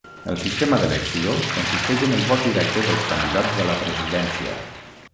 El sistema d'elecció consisteix en el vot directe dels candidats a la presidència.